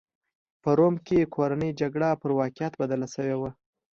په روم کې کورنۍ جګړه پر واقعیت بدله شوې وه.